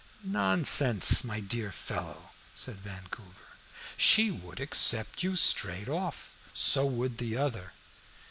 "Nonsense, my dear fellow," said Vancouver, "she would accept you straight off. So would the other."